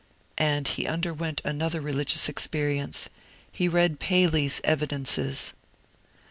And he underwent another religious experience: he read Paley's Evidences.